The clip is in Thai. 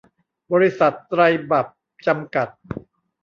บริษัท ไตรบรรพ จำกัด